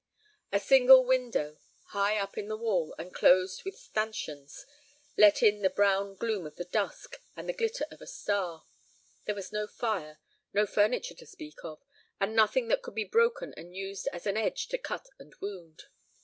A single window, high up in the wall and closed with stanchions, let in the brown gloom of the dusk and the glitter of a star. There was no fire, no furniture to speak of, and nothing that could be broken and used as an edge to cut and wound.